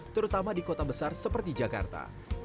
terutama di kota besar seperti jakarta